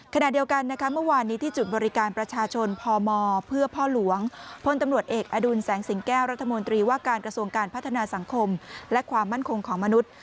ขณะเดียวกันนะคะเมื่อวานนี้ที่จุดบริการประชาชนพมเพื่อพ่อหลวงพลตำรวจเอกอดุลแสงสิงแก้วรัฐมนตรีว่าการกระทรวงการพัฒนาสังคมและความมั่นคงของมนุษย์